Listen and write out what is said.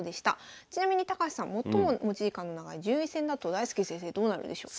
ちなみに高橋さん最も持ち時間の長い順位戦だと大介先生どうなるでしょうか？